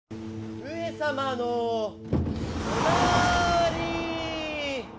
上様のおなーりー！